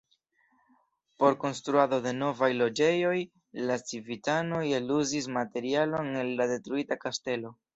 Por konstruado de novaj loĝejoj la civitanoj eluzis materialon el la detruita kastelo.